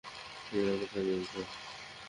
টিনাকে sandwich Deo.